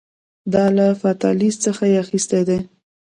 دا له فاتالیس څخه یې اخیستي دي